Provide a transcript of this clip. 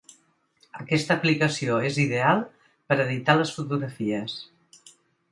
Aquesta aplicació és ideal per editar les fotografies.